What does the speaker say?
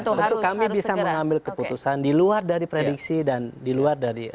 tentu kami bisa mengambil keputusan di luar dari prediksi dan di luar dari